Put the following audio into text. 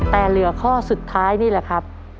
แต่เหลือข้อสุดท้ายนี่แหละครับ